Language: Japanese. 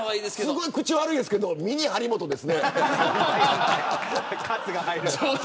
すごい口悪いですけどミニ張本ですね。